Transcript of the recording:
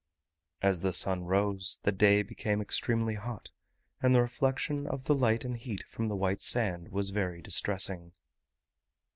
As the sun rose, the day became extremely hot, and the reflection of the light and heat from the white sand was very distressing.